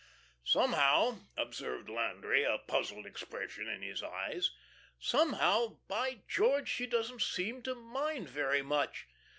"Somehow," observed Landry, a puzzled expression in his eyes, "somehow, by George! she don't seem to mind very much.